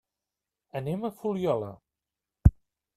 Anem a la Fuliola.